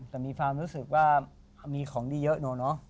แต่มีความรู้สึกว่ามีของดีเยอะเนอะ